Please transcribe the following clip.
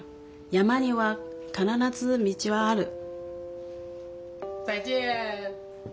「山には必ず道はある」。